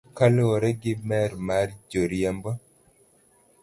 Kaluwore gi mer mar joriembo.